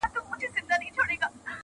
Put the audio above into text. ما دي د میني سوداګر له کوڅې وشړله!.